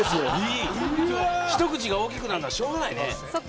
一口が大きくなるのはしょうがないね。